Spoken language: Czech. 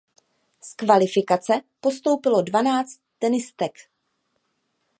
Z kvalifikace postoupilo dvanáct tenistek.